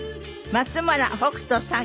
松村北斗さん